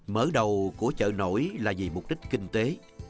mở đầu của chợ nổi là vì mục đích kinh tế